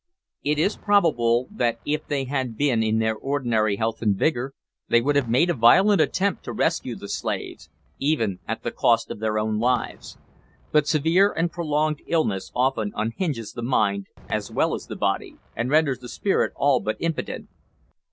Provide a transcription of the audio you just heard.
It is probable that if they had been in their ordinary health and vigour they would have made a violent attempt to rescue the slaves, even at the cost of their own lives. But severe and prolonged illness often unhinges the mind as well as the body, and renders the spirit all but impotent.